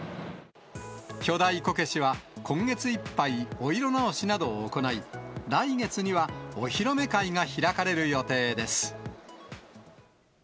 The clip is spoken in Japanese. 巨大こけしは、今月いっぱい、お色直しなどを行い、来月にはお披露目会が開かれる予定です。